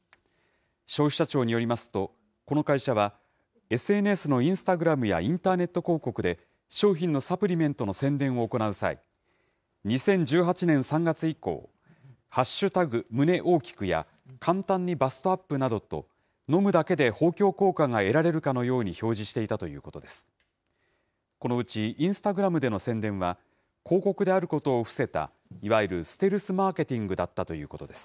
消費者庁によりますと、この会社は、ＳＮＳのインスタグラムやインターネット広告で、商品のサプリメントの宣伝を行う際、２０１８年３月以降、＃胸大きくや、簡単にバストアップなどと、飲むだけで豊胸効果が得られるかのように表示していたということです。